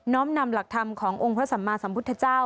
้อมนำหลักธรรมขององค์พระสัมมาสัมพุทธเจ้า